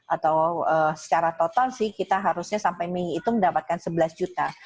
atau secara total sih kita harusnya sampai mei itu mendapatkan sebelas juta